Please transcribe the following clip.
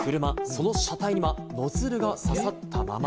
その車体にはノズルが刺さったまま。